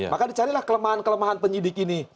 maka dicarilah kelemahan kelemahan penyidik ini